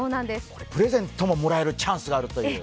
プレゼントももらえるチャンスがあるという。